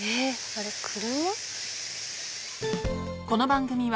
あれ車？